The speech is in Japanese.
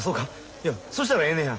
いやそしたらええねんや。